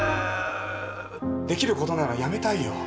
できることならやめたいよ。